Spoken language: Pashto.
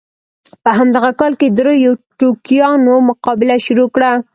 په همدغه کال کې دریو ټوکیانو مقابله شروع کړه.